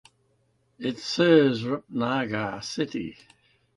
It serves Rupnagar city.